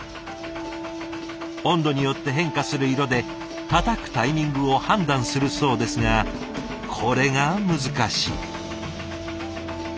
温度によって変化する色でたたくタイミングを判断するそうですがこれが難しい。